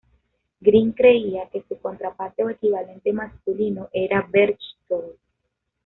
Grimm creía que su contraparte o equivalente masculino era "Berchtold".